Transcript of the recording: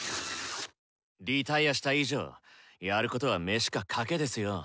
リタイアした以上やることは飯か賭けですよ。